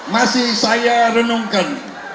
masih saya renungkan